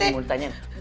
ini mau ditanyain